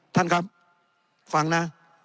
ท่านครับฟังนะ